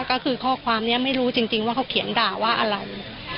ก็คือข้อความนี้ไม่รู้จริงว่าเขาเขียนด่าว่าอะไร